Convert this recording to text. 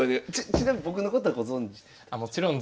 ちなみに僕のことはご存じでしたか？